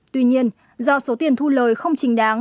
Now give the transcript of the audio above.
tuy nhiên do số tiền thu lời không chính đáng